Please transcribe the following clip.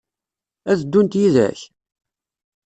Ad d-ddunt yid-k?